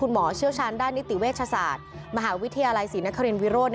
หมอเชี่ยวชาญด้านนิติเวชศาสตร์มหาวิทยาลัยศรีนครินวิโรธ